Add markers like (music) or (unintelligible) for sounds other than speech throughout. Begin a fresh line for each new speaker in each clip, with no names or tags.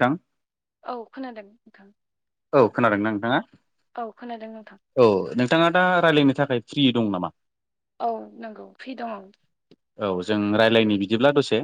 दां
औ खोनादों नोंथां।
औ खोनादोंना नोंथाङा?
औ खोनादों नोंथां
औ नोंथाङा दा रायज्लायनो थाखाय फ्रि दं नामा?
औ नंगौ फ्रि दङ'।
औ जों रायज्लायनि बिदिब्ला दसे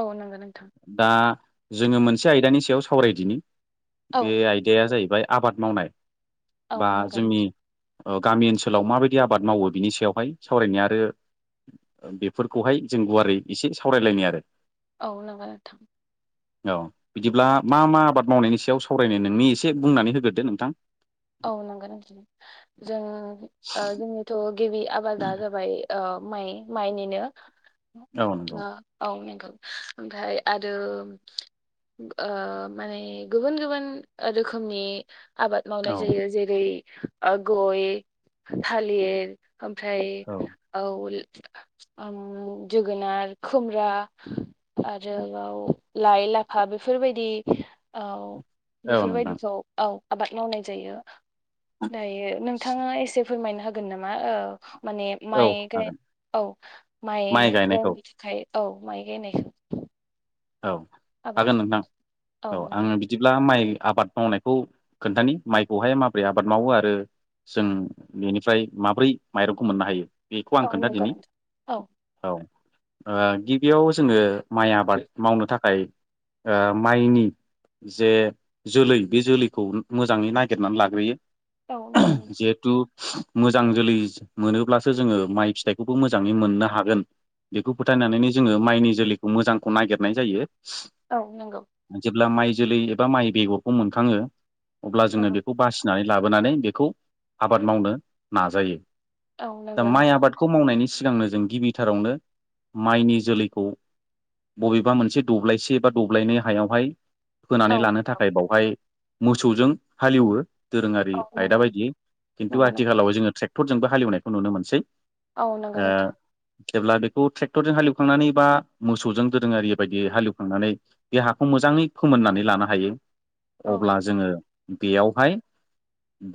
औ नंगौ नोंथां।
दा जोङो मोनसे आयदानि सायाव सावरायदिनि
औ
बे आयदाया जाहैबाय आबाद मावनाय
औ
बा
नों
जोंनि
(unintelligible)
गामि ओनसोलाव माबायदि आबाद मावो बिनि सायावहाय सावरायनि आरो बेफोरखौहाय जों गुवारै एसे सावरायलायनि आरो
औ नंगौ नोंथां
औ बिदिब्ला मा मा आबाद मावनायनि सायाव सावरायनो नोंनि एसे बुंनानै होग्रोदो नोंथां
औ नंगौ नोंथां जों गिबि आबादा जाबाय माइ माइनिनो
औ नंगौ
औ नंगौ ओमफ्राय आरो माने गुबुन गुबुन रोखोमनि आबाद
औ
मावनाय जेरै गय थालिर ओमफ्राय
औ
औ जोगोनार खुमरा आरोबाव लाइ लाफा बेफोरबायदि औ
औ नोंथां
बेफोरबायदिखौ औ आबाद मावनाय जायो दायो नोंथाङा एसे फोरमायनो होगोन नामा औ माने
औ
माइ
हागोन
औ माइ गोमोननि थाखाय औ माइ गायनायखौ
औ
आबाद
हागोन नोंथां औ आङो बिदिब्ला माइ आबाद मावनायखौ खोनथानि माइखौहाय माबोरै आबाद मावो आरो जों बेनिफ्राय माब्रै माइरंखौ मोननो हायो बेखौ आं खोन्था
नंगौ
दिनि औ गिबियाव जोङो माइ आबाद मावनो थाखाय माइनि जे जोलै बे जोलैखौ मोजाङै नागिरनानै लाग्रोयो
औ नंगौ नोंथां औ नंगौ नोंथां
जिहेतु मोजां जोलै मोनोब्लासो जोङो माइ फिथाइखौबो मोजाङै मोननो हागोन बेखौ फोथायनानैनो जोङो माइनि जोलैखौ मोजांखौ नागिरनाय जायो
औ नंगौ
अब्ला माइ जोलै एबा माइ बेगरखौ मोनखाङो अब्ला जोङो
नंगौ
बेखौ बासिनानै लाबोनानै बेखौ आबाद मावनो नाजायो
औ
दा
नंगौ
माइ
नोंथां
आबादखौ मावनायनि सिगांनो जों गिबिथारावनो माइनि जोलैखौ बबेबा मोनसे दब्लायसे बा दब्लायनै हायावहाय
औ
होनानै लानो थाखाय बावहाय मोसौजों हालेवो दोरोङारि
औ नंगौ
आयदा बायदियै खिन्थु
नंगौ नोंथां
आथिखालाव जोङो ट्रेक् टरजोंबो हालेवनायखौ नुनो मोनसै
औ
ओ
नंगौ नोंथां
जेब्ला बेखौ ट्रेक्टरजों हालेवखांनानै बा मोसौजों दोरोङारि बायदि हालेवखांनानै बे हाखौ मोजाङै फोमोननानै लानो हायो
औ
अब्ला जोङो बेयावहाय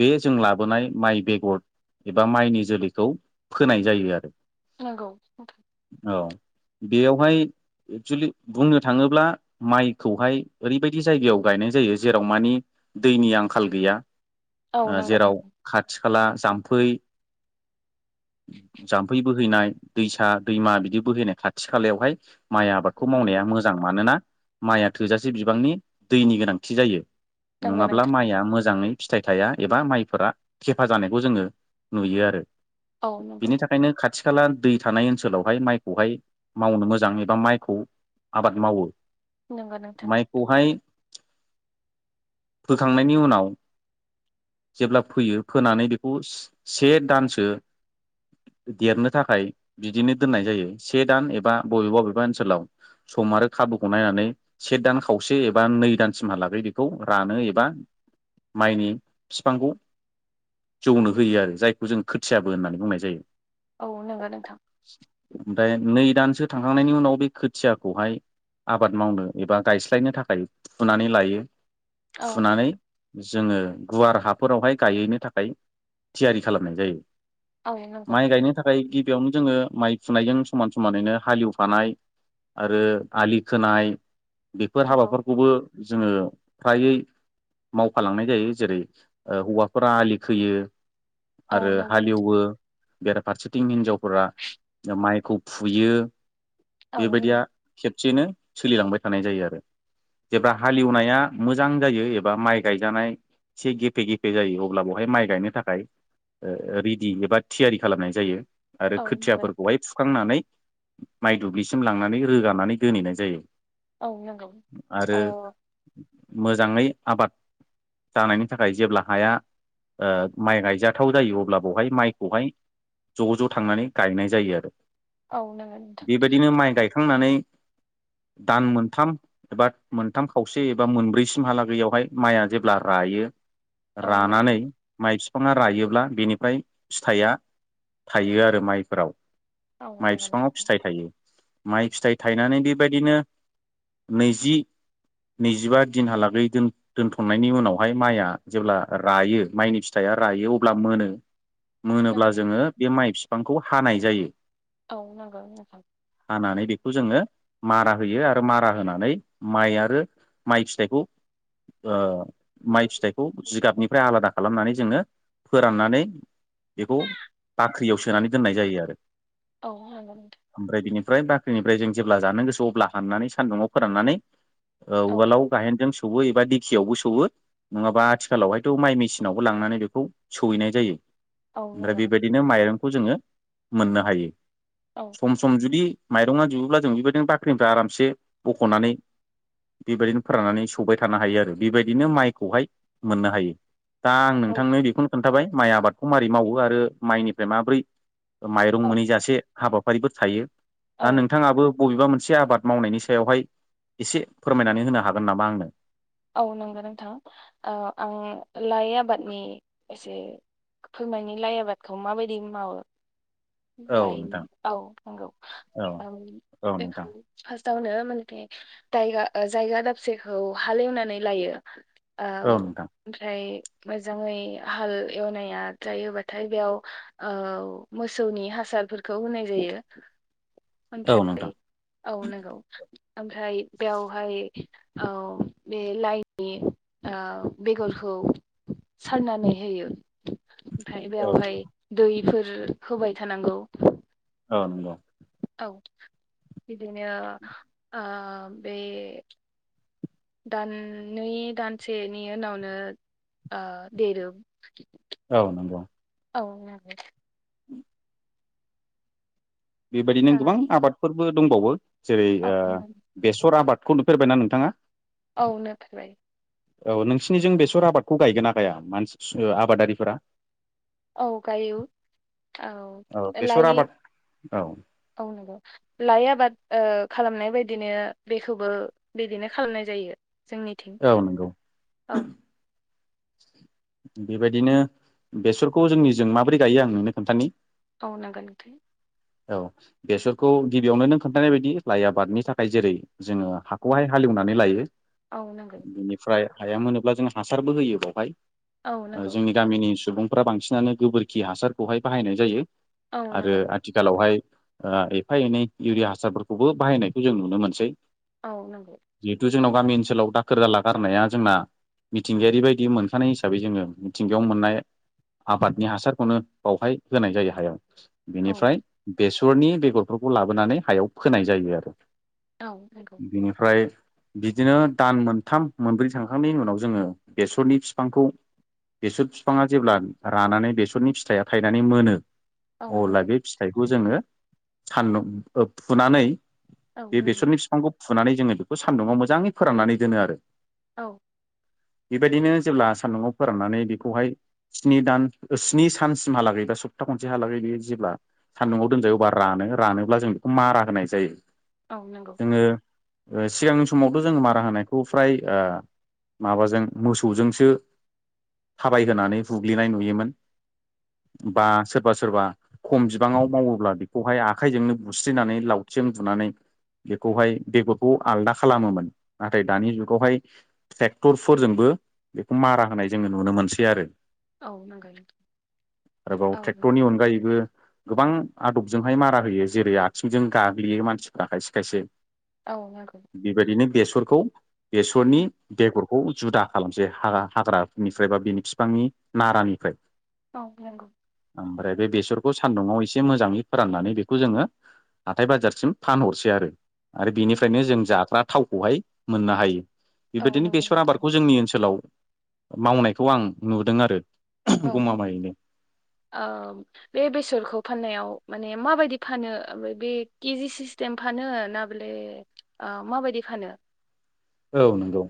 बे जों लाबोनाय माइ बेगर एबा माइनि जोलैखौ फोनाय जायो आरो
नोंंगौ नोंथां
औ बेयावहाय एक्सुलि बुंनो थाङोब्ला माइखौहाय ओरैबायदि जायगायाव गायनाय जायो जेराव मानि दैनि आंखाल गैया आ
नंगौ
जेराव
नोंथां
खाथि खाला जाम्फै जाम्फै बोहैनाय दैसा दैमा बिदि बोहैनाय खाथि खालायावहाय माइ आबादखौ
नंगौ
मावनाया मोजां मानोना माइया थोजासे बिबांनि दैनि गोनांथि जायो।
नंगौ
नङाब्ला
नोंथां
माइआ मोजाङै फिथाइ थाया एबा माइफोरा खेफा जानायखौ जोङो नुयो आरो
औ नंगौ
बिनि थाखायनो खाथि खाला दै थानाय ओनसोलावहाय माइखौहाय मावनो मोजाङै बा माइखौ आबाद मावो
नंगौ नोंथां
माइखौहाय फोखांनायनि उनाव जेब्ला फोयो फोनानै बेखौ स से दानसो देरनो थाखाय बिदिनो दोननाय जायो से दान एबा बबेबा बबे बा ओनसोलाव सम आरो खाबुखौ नायनानै से दान खावसे एबा नै दानसिमहालागै बेखौ रा रानो एबा माइनि फिफांखौ जौनो होयो आरो जायखौ जों खोथियाबो होननानै बुंनाय जायो।
औ नंगौ नोंथां
ओमफ्राय नै दानसो थांहां नायनि उनाव बे खोथियाखौहाय आबाद मावनो एबा गायस्लायनो थाखाय फुनानै लायो।
औ नंगौ
फुनानै जोङो गुवार हाफोरावहाय गायहैनो थाखाय थियारि खालामनाय जायो।
औ नंगौ
माइ गायनो थाखाय गिबियावनो जोङो माइ फुनायजों समान समानैनो हालेव फानाय आरो आलि खोनाय बेफोर
नंगौ
हाबाफोरखौबो जोङो फ्रायै मावफालांनाय जायो जेरै ओ हौवाफोरा आलि खोयो
औ
आरो
नंगौ नोंथां
हालेवो बेराफारसेथिं हिनजावफोरा माइखौ फुयो।
औ
बेबायदिया
नंगौ
खेबसेयैनो सोलिलांबाय थानाय जायो आरो जेब्ला हालेवनाया मोजां जायो एबा माइ गायजानाय एसे गेफे गेफे जायो अब्ला बेवहाय माइ गायनो थाखाय ओ रेडि एबा थियारि खालामनाय जायो। आरो खोथियाफोरखौहाय फुखांनानै माइ दुब्लिसिम लांनानै रोगानानै दोनहैनाय जायो।
औ नंगौ
आरो
औ
मोजाङै आबाद जानायनि थाखाय जेब्ला हाया ओ माइ गायजाथाव जायो अब्ला बेवहाय माइखौहाय ज' ज' थांनानै गायनाय जायो आरो
औ नोंङो
बेबादिनो माइ गायखांनानै दान मोनथाम एबा मोनथाम खावसे एबा मोनब्रैसिमहालागैयावहाय माइया जेब्ला राग रायो
औ नंगौ
रानानै माइस फिफाङा रायोब्ला बिनिफाय फिथाइया थायो आरो माइफोराव
औ
माइ
नोंगोना
बिफाङाव फिथाइ थायो माइ फिथाइ थायनानै बेबादिनो नैजि नैजिबा दिनहालागै दोन दोनथ'नायनि उनावहाय माइया जेब्ला रायो माइनि फिथाइया रायो अब्ला मोनो मोनोब्ला
नंगौ
जोङो बे माइ फिफांखौ हानाय जायो।
औ नंगौ नोंथां
हानानै बेखौ जोङो मारा होयो आरो मारा होनानै माइ आरो माइ फिथाइखौ ओ माइ फिथाइखौ जिगाबनिफ्राय आलादा खालामनानै जोङो फोराननानै बेखौ बाख्रियाव सोनानै दोननाय जायो आरो
औ नंगौ नोंथां
ओमफ्राय बेनि ओमफ्राय बाख्रिनिफ्राय जों जेब्ला जानो गोसो अब्ला हाननानै सान्दुुंआव फोराननानै
औ
उवालाव गायेनजों सौवो एबा दिेखियावबो सौवो नङाबा आथिखालावहायथ' माइ मेसिनावबो लांनानै बेखौ सौहैनाय जायो
औ
ओमफ्राय
नंगौ
बेबायदिनो माइरंखौ जोङो मोननो हायो
औ
सम सम जुदि माइरंआ जुबोब्ला जों बेबायदिनो बाख्रिनिफ्राय आरामसे बख'नानै बेबायदिनो फोराननानै सौबाय थानो हायो आरो बेबायदिनो माइखौहाय मोननो हायो दा आं
औ
नोंथांनो बेखौनो खोन्थाबाय माइ आबादखौ माबारै मावो आरो माइनिफ्राय माबोरै माइरं
औ
मोनै जासे हाबाफारिफोर थायो दा
औ
नोंथाङाबो बबेबा मोनसे आबाद मावनायनि सायावहाय एसे फोरमायनानै होनो हागोन नामा आंनो
औ नंगौ नोंथां आं लाइ आबादनि एसे फोरमायानि लाइ आबादखौ माबायदि मावो
औ नोंथां
लायनो औ नंगौ
औ औ
बेखौ
नोंथां
फारस। दावनो माने दायगा ओ जायगा दाबसेखौ हालेवनानै लायो औ ओमफ्राय मोजांङै हाल एवनाया जायोबाथाय बेयाव औ मोसौनि हास हासारफोरखौ होनाय जायो।
(inaudible)
ओमफ्राय
नोंथां
औ नंगौ ओमफ्राय बेयावहाय औ बे लाइनि ओ बेगरखौ सारनानै होयो ओमफ्राय
औ
बेयावहाय दैफोर होबाय थानांगौ औ
(unintelligible)
बिदिनो आ बे दाननै दानसेनि उनावनो ओ देरो
औ नंगौ
औ नंगौ
(inaudible) बेबायदिनो गोबां आबादफोरबो दंबावो जेरै
औ
ओ
नंगौ
बेसर आबाद खौ नुफेरबायना नोंथांङा?
औ नोफेरबाय
औ नोंसिनिजों बेसर आबादखौ गायगोनना गाया मानसि आबादारिफोरा
औ गायो
औ बेसर
लाइ
आबाद औ
औ नंगौ लाइ आबाद ओ खालामनाय बायदिनो बेखौबो बिदिनो खालामनाय जायो। जोंनिथिं
औ नंगौ
औ
बेबायदिनो बेसरखौ जोंनिजों माबोरै गायो आं नोंनो खोन्थानि
औ नोंगो नों
औ बेसरखौ गिबियावनो नों खोन्थानाय बायदि लाइ आबादनि थाखाय जेरै जोंङो हाखौहाय हालिव लेवनानै लायो
औ नंगौ
बेनिफ्राय हाया मोनोब्ला जों हासारबो होयो बेावहाय
औ
ओ
नंगौ
जोंनि गामिनि सुबुंफ्रा बांसिनानो गोबोरखि हासारखौहाय बाहायनाय जायो।
औ
आरो
नंगौ
आथिखालावहाय ओ एफा एनै इउरिया हासारफोरखौबो बाहायनायखौ जों नुनो मोनसै
औ नंगौ
जिहेथु जोंनाव गामि ओनसोलाव दाखोर दाला गारनाया जोंना मिथिंगायारि बायदि बिदि मोनखानाय हिसाबै जोंङो मिथिंगायाव मोननाय आबादनि हासारखौनो बावहाय होनाय जायो हायाव।
औ
बेनिफ्राय बेसरनि बेगरफोरखौ लाबोनानै हायाव फोनाय जायो आरो।
औ नंगौ
बिनिफ्राय बिदिनो दान मोनथाम मोनब्रै थांखांनायनि उनाव जोंङो बेसरनि बिफांखौ बेसर बिफांङा जेब्ला रानानै बेसरनि फिथाइया थायनानै मोनो
औ
अब्ला
नंगौ
बे फिथाइखौ जोंङो सानदुं फुनानै
औ
बे
नंगौ
बेसरनि बिफांखौ फुनानै जोंङो बेखौ सान्दुंङाव मोजांङै फोराननानै दोनो आरो
औ
बेबायदिनो जेब्ला सान्दुंआव फोराननानै बेखौहाय स्नि दान ओ स्नि सानसिमहालागैबा सप्ता खनसे हालागै बेयो जेब्ला सान्दुंआव दोनजायो अब्ला रानो रानोब्ला जों बेखौ मारा होनाय जायो।
औ नंगौ
जोङो ओ सिगांनि समावथ' जोंङो मारा होनायखौ फ्राय ओ माबाजों मोसौजोंसो थाबायहोनानै बुग्लिनाय नुयोमोन। बा सोरबा सोरबा खम बिबांङाव मावोब्ला बेखौहाय आखाइजोंनो बुस्रिनानै लावथि जों बुनानै बेखौहाय बेगरखौ आलदा खालामोमोन नाथाय दानि जुगावहाय ट्रेक्टर फोरजोंबो बेखौ मारा होनाय जोंङो नुनो मोनसै आरो
औ नंगौ
आरोबाव
औ
ट्रेक्टरनि अनगायैबो गोबां आदबजोंहाय मारा होयो जेरै आथिंजों गाग्लियो मानसिफ्रा खायसे खायसे
औ नंगौ
बेबायदिनो बेसरखौ बेसरनि बेगर खौ जुदा खालामसै हा-हाग्रानिफ्राय बा बेनि बिफांनि नारानिफ्राय
औव नांगौ
ओमफ्राय बे बेसरखौ सान्दुंआव एसे मोजाङै फोराननानै बेखौ जोङो हाथाय बाजारसिम फानहरसै आरो आरो बेनिफ्रायनो जों जाग्रा थावखौहाय मोननो हायो।
औव नंगौ नोंथां
बेखौ जोंनि ओनसोलाव मावनायखौ आं नुदों आरो
औव औव
गमामायैनो
औव बे बेसरखौ फाननायाव माने माबायदि फानो ओमफ्राय बे केजि सिस्टेम फानो ना बेले ओ माबायदि फानो
औव नंगौ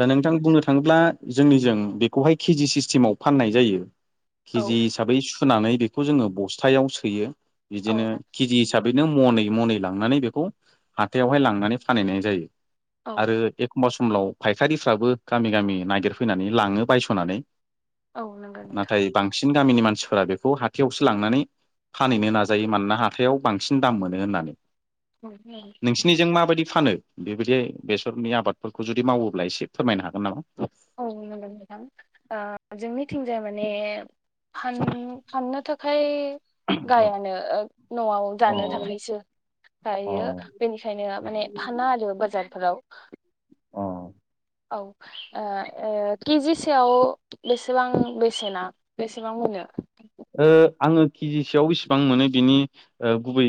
ओ नोंथां बुंनो थाङोब्ला जोंनिजों बेखौहाय केजि सिस्टेमाव फाननाय जायो केजि
औ
हिसाबै सु फोनानै बेखौ जोङो बस्थायाव सोयो बिदिनो
औ
केजि हिसाबैनो मनै मनै लांनानै बेखौ हाथायाव लांनानै फानाय हैनाय जायो
औ
आरो एक मस समलाव फायखारिफ्राबो गामि गामि नागिर फैनानै लाङो बायस'नानै
औव नंगौ नोथां
बिनि गामिनि मानसिफोरा बेखौ हाथायावसो लांनानै फानहैनो नाजायो मानोना हाथायाव बांसिन दाम मोनो होननानै नोंसिनिजों माबायदि फानो बेबायदि बेसरनि आबादफोरखौ जुदि मावोब्ला एसे फोरमायनो हागोन नामा
औ नंगौ नोंथां ओ जोंनिथिंजाय माने फान-फाननो थाखाय गायानो न'आव जानो
औ
थाखायसो
अ
जायो बेनिखायनो माने फाना आरो बाजारफोराव
अ
औव ओ ओ केजिसेयाव बेसेबां बेसेना बेसेबां मोनो
ओ आङो केजिसेयाव बेसेबां मोनो ओ बेनि गुबै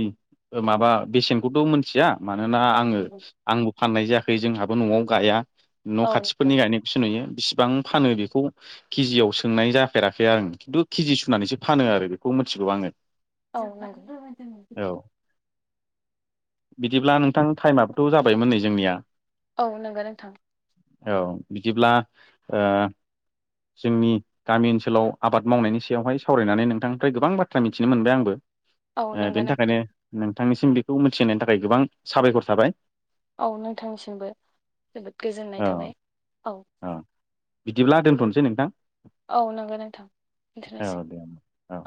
माबा बेसेनखौथ' मोनथिया मानोना आङो आंबो फाननाय जायाखै जोंहाबो न'आव गाया न'
औ
खाथिफोरनि गायनायखौसो नुयो। बिसिबां फानो बेखौ केजियाव सोंनाय जाफेराखै आरो खिन्थु केजि सुनानैसो फानो आरो बेखौ मिथिगौ आङो।
औ नंगौ
औ बिदिब्ला नों थां टाइमाबोथ' जाबायमोन नै जोंनिया
औ नंगौ नोंथां
औ बिदिब्ला ओ जोंनि गामि ओनसोलाव आबाद मावनायनि सायावहाय सावरायनानै नोंथांनिफ्राय गोबां बाथ्रा मिथिनो मोनबाय आंबो
औ
ओ
नंगौ
बेनि
नोंथां
थाखायनो नों थांनिसिम बेखौ मिथिहोनायनि थाखाय गोबां साबायखर थाबाय।
औ नोंथांनिसिमबो जोबोद गोजोननाय
औ
थाबाय औ।
बिदिब्ला दोनथ'नोसै नोंथां।
औ नंगौ नोंथां
औ
दोनथ'नोसै।
दे औ।